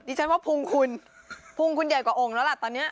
ฉันว่าพุงคุณพุงคุณใหญ่กว่าองค์แล้วล่ะตอนนี้